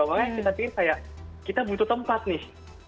makanya kita pikir kayak kita butuh tempat nih